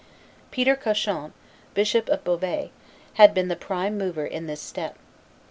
Peter Cauchon, Bishop of Beauvais, had been the prime mover in this step.